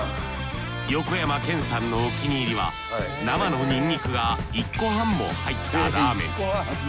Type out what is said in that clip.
横山剣さんのお気に入りは生のニンニクが１個半も入ったラーメン。